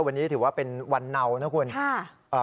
วันนี้ถือว่าเป็นวันเนานะคุณ